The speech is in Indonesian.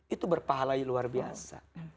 itu berpahala luar biasa